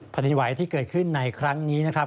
แผ่นดินไหวที่เกิดขึ้นในครั้งนี้นะครับ